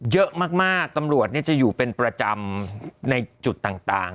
เยอะมากตำรวจจะอยู่เป็นประจำในจุดต่าง